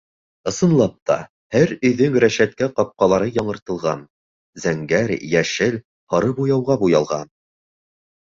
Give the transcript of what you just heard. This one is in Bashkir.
Ысынлап та, һәр өйҙөң рәшәткә-ҡапҡалары яңыртылған, зәңгәр, йәшел, һары буяуға буялған.